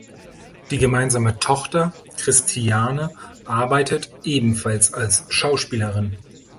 Die gemeinsame Tochter Christiane arbeitet ebenfalls als Schauspielerin.